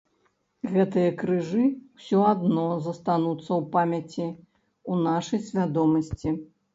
Гэтыя крыжы ўсё адно застануцца ў памяці, у нашай свядомасці.